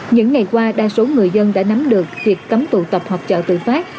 những ngày qua đa số người dân đã nắm được việc cấm tụ tập hoặc chợ tự phát